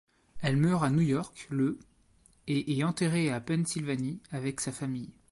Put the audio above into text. Elle meurt à New York, le et est enterrée à Pensylvanie, avec sa famille.